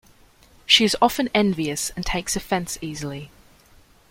She is often envious and takes offense easily.